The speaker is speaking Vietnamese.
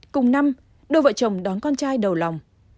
cùng năm đôi vợ chồng đón con trai đầu lòng